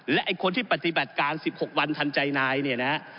และไอ้คนที่ปฏิบัติการ๑๖วันทันใจนายเนี่ยนะฮะ